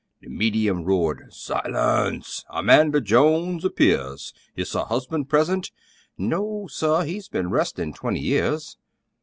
The medium roared, "Silence! Amanda Jones appears! Is her husband present?" ("No, sir he's been restin' twenty years!")